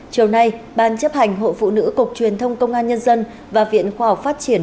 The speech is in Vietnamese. chiều nay ban chấp hành hội phụ nữ cục truyền thông công an nhân dân và viện khoa học phát triển